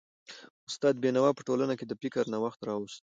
استاد بينوا په ټولنه کي د فکر نوښت راوست.